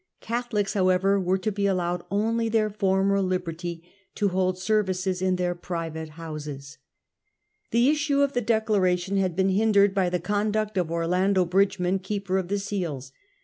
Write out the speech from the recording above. Catholics however were to be allowed only their former liberty to hold service in their private houses. The issue of the Declaration had been hindered by the conduct of Orlando Bridgeman, Keeper of the Seals.